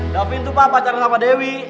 da vinci tuh pak pacaran sama dewi